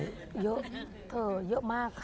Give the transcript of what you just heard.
เยอะเถอะเยอะมาก